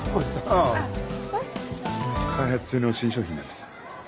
開発中の新商品なんです。